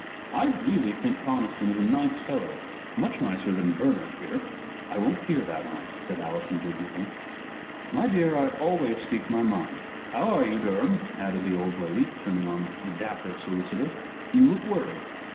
"I really think Conniston is a nice fellow much better than Bernard, here." "I won't hear that, aunt," said Alice, indignantly. "My dear, I always speak my mind. How are you, Durham?" added the old lady, turning on the dapper solicitor. "You look worried."